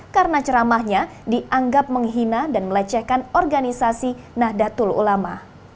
karena ceramahnya dianggap menghina dan melecehkan organisasi nahdlatul ulama